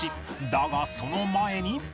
だがその前に